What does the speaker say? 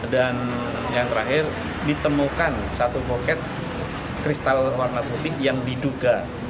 dan yang terakhir ditemukan satu poket kristal warna putih yang diduga